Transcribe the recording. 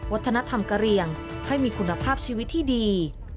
วัฒนธรรมกะเรียงให้มีคุณภาพชีวิตที่ดี